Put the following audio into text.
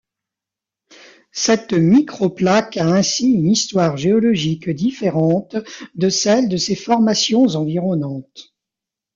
Cette microplaque a ainsi une histoire géologique différente de celle de ses formations environnantes.